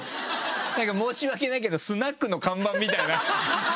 なんか申し訳ないけどスナックの看板みたいな。